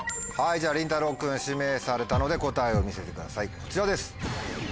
じゃありんたろう君指名されたので答えを見せてくださいこちらです。